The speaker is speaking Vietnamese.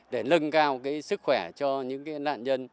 để nâng cao sức khỏe cho những nạn nhân